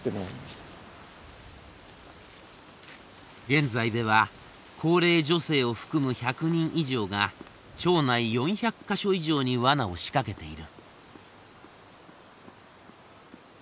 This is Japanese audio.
現在では高齢女性を含む１００人以上が町内４００か所以上にワナを仕掛けている。